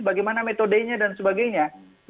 bagaimana metodenya dan sebagainya